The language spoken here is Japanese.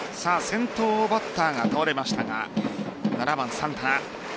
先頭バッターが倒れましたが７番・サンタナ。